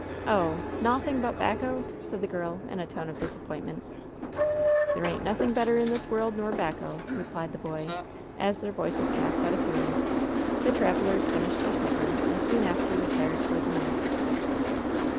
"Oh 1 nawthing but 'bacco 1" said the girl, in a tonf of disappointment 244 LOVE'S BITTEREST CUP "There ain't nothing better in this world nor T)aeeo,^ replied the boy, as their voices passed out of hearing. The travelers finished their supper and soon after retired for the night.